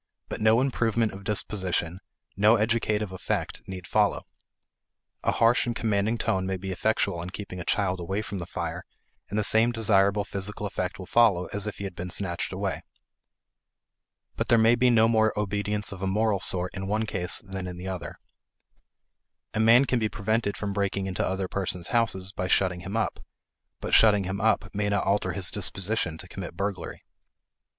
But no improvement of disposition, no educative effect, need follow. A harsh and commanding tone may be effectual in keeping a child away from the fire, and the same desirable physical effect will follow as if he had been snatched away. But there may be no more obedience of a moral sort in one case than in the other. A man can be prevented from breaking into other persons' houses by shutting him up, but shutting him up may not alter his disposition to commit burglary.